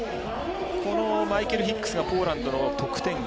マイケル・ヒックスがポーランドの得点源。